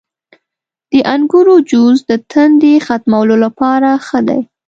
• د انګورو جوس د تندې ختمولو لپاره ښه دی.